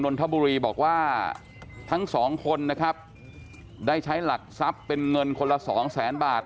นทบุรีบอกว่าทั้งสองคนนะครับได้ใช้หลักทรัพย์เป็นเงินคนละสองแสนบาท